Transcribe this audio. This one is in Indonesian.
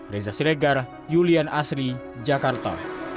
reza siregar julian asri jakarta